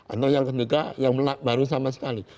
atau yang ketiga yang baru sama sekali